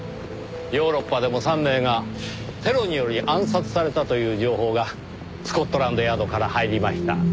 ヨーロッパでも３名がテロにより暗殺されたという情報がスコットランドヤードから入りました。